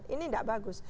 ini gak bagus